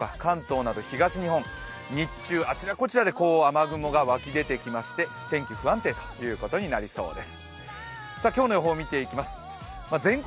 特に東北ですとか、関東など東日本日中、あちらこちらで雨雲が湧き出てきまして天気、不安定ということになりそうです。